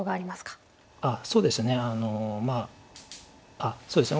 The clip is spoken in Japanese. あっそうですね